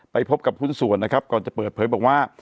พบกับหุ้นส่วนนะครับก่อนจะเปิดเผยบอกว่า